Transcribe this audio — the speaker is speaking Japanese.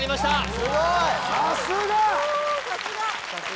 すごいさすが！